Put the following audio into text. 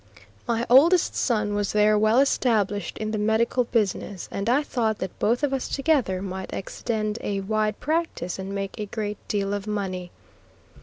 My oldest son was there well established in the medical business, and I thought that both of us together might extend a wide practice and make a great deal of money.